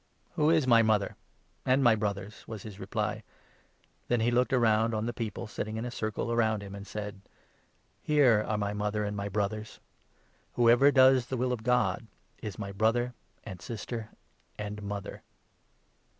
"Who is my mother? and my brothers ?" was his reply. 33 Then he looked around on the people sitting in a circle round 34 him, and said :" Here are my mother and my brothers ! Whoever does 35 the will of God is my brother and sister and mother."